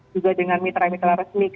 juga dengan mitra mitra resmi